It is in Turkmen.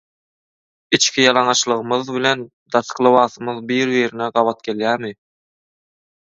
Içki ýalaňaçlygymyz bilen daşky lybasymyz bir-birine gabat gelýärmi?